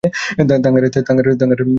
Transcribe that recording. থাঙ্গারাজ, এখানে।